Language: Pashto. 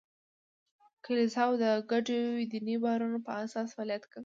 کلیساوې د ګډو دیني باورونو په اساس فعالیت کوي.